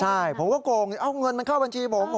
ใช่ผมก็โกงเอ้าเงินมันเข้าบัญชีผม